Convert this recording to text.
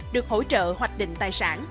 được hỗ trợ hoạch định tài sản